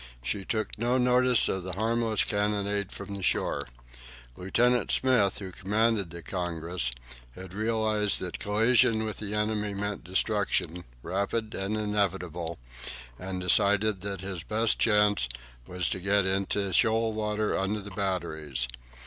She took no notice of the harmless cannonade from the shore. Lieutenant Smith, who commanded the "Congress," had realized that collision with the enemy meant destruction, rapid and inevitable, and decided that his best chance was to get into shoal water under the batteries.